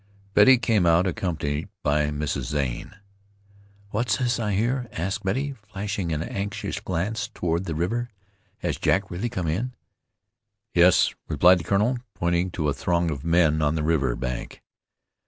Betty came out accompanied by Mrs. Zane. "What's this I hear?" asked Betty, flashing an anxious glance toward the river. "Has Jack really come in?" "Yes," replied the colonel, pointing to a throng of men on the river bank.